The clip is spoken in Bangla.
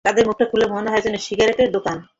তাদের মুখটা খুললে মনে হয় যেন সিগারেটের দোকান!